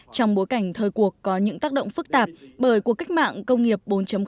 trong bối cảnh thời cuộc có những tác động phức tạp bởi cuộc cách mạng công nghiệp bốn